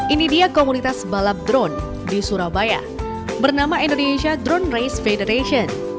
ini dia komunitas balap drone di surabaya bernama indonesia drone race federation